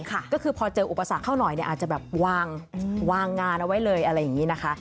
ก็คือพอเจออุปสรรคเข้าหน่อยเนี่ยอาจจะแบบวางงานเอาไว้เลยอะไรอย่างนี้นะคะ